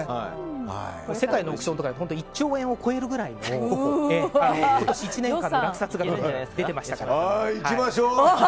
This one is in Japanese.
世界のオークションとかは１兆円を超えるくらいの今年１年間の落札額が出てましたから。